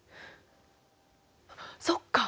そっか！